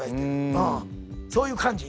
そういう感じ